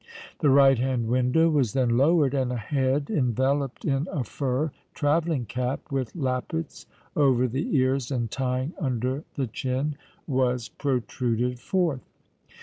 The right hand window was then lowered; and a head, enveloped in a fur travelling cap, with lappets over the ears and tying under the chin, was protruded forth.